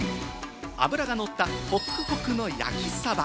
脂がのったホクホクの焼きサバ。